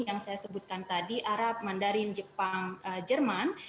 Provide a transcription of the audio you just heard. yang saya sebutkan tadi arab mandarin jepang jerman